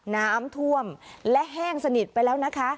น้ำท่วมและแห้งสนิทไปแล้วนะคะ